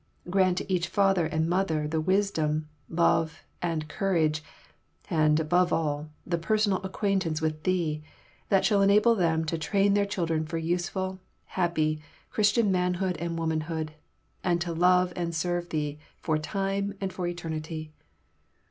Grant to each father and mother the wisdom, love, and courage, and, above all, the personal acquaintance with Thee that shall enable them to train their children for useful, happy, Christian manhood and womanhood, and to love and serve Thee for time and for eternity.